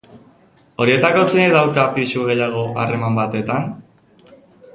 Horietako zeinek dauka pisu gehiago harreman batetan?